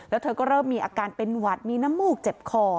แล้วเธอก็เริ่มมีอาการเป็นหวัดมีน้ำมูกเจ็บคอ